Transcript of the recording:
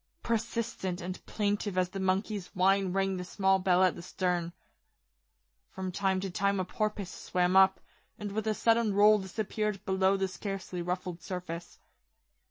Persistent and plaintive as the monkey's whine rang the small bell at the stern. From time to time a porpoise swam up, and with a sudden roll disappeared below the scarcely ruffled surface.